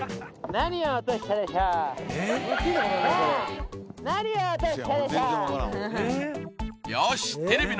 何を落としたでしょうあっ・